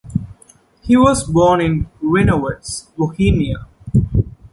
He was born in Reinowitz, Bohemia.